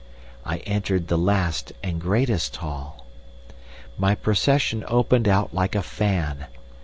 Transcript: "I entered the last and greatest hall.... "My procession opened out like a fan.